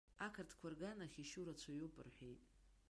Ақырҭқәа рганахь ишьу рацәаҩуп рҳәеит.